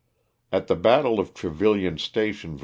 At the battle of Trevillian Station, Va.